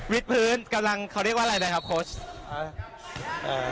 วิทพื้นกำลังเขาเรียกว่าอะไรนะครับครับครับอ่า